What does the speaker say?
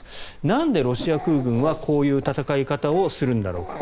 なんでロシア空軍はこういう戦い方をするんだろうか。